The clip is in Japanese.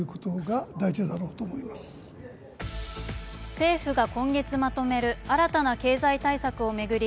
政府が今月まとめる新たな経済対策を巡り